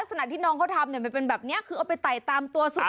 ลักษณะที่น้องเขาทำเป็นแบบนี้คือเอาไปไต่ตามตัวสุดท้าย